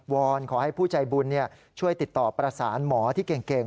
อนขอให้ผู้ใจบุญช่วยติดต่อประสานหมอที่เก่ง